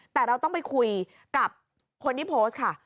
แต่เราต้องไปคุยกับคนที่โพสต์ค่ะ